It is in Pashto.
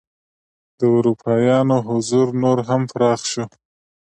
د اروپایانو حضور نور هم پراخ شو.